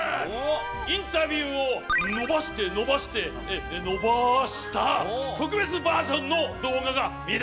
インタビューをのばしてのばしてのばした特別バージョンの動画が見られるぞ！